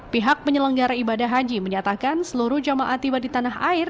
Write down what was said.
pihak penyelenggara ibadah haji menyatakan seluruh jamaah tiba di tanah air